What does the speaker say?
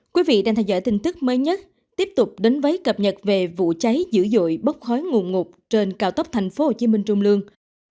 quý vị đang theo dõi tin tức mới nhất tiếp tục đến với cập nhật về vụ cháy dữ dội bốc khói nguồn ngục trên cao tốc thành phố hồ chí minh trung lương